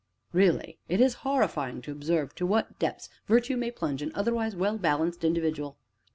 Really, it is horrifying to observe to what depths Virtue may plunge an otherwise well balanced individual.